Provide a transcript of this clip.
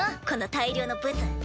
この大量のブツ。